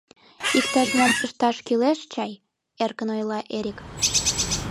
— Иктаж-мом ышташ кӱлеш чай? — эркын ойла Эрик.